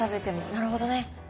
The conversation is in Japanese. なるほどね。